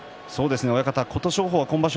琴勝峰は今場所